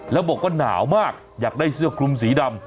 แล้วบอกว่าหนาวมากอยากได้เสื้อคลุมสีดำ